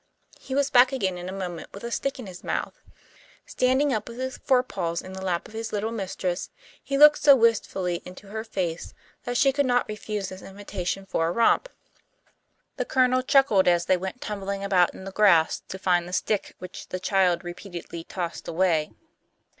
He was back again in a moment, with a stick in his mouth. Standing up with his fore paws in the lap of his little mistress, he looked so wistfully into her face that she could not refuse this invitation for a romp. The Colonel chuckled as they went tumbling about in the grass to find the stick which the child repeatedly tossed away.